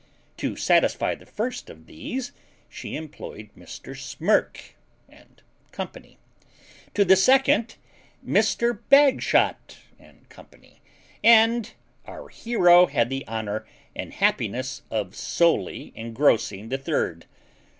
To satisfy the first of these she employed Mr. Smirk and company; to the second, Mr. Bagshot and company; and our hero had the honour and happiness of solely engrossing the third.